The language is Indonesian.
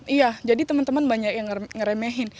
iya jadi teman teman banyak yang ngeremehin